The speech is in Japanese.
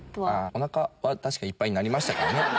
おなかは確かにいっぱいになりましたからね。